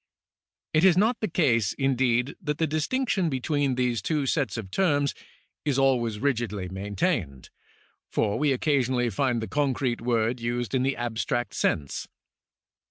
It is not the case, indeed, that the distinction between these two sets of terms is always rigidly maintained, for we occasionally find the concrete word used in the abstract sense.